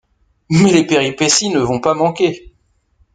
Mais les péripéties ne vont pas manquer.